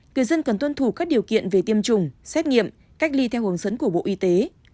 người dân cần tuân thủ các điều kiện về tiêm chủng xét nghiệm cách ly theo hướng dẫn của bộ y tế